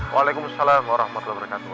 waalaikumsalam warahmatullahi wabarakatuh